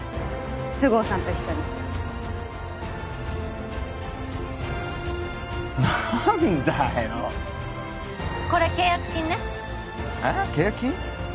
菅生さんと一緒に何だよこれ契約金ねえっ契約金？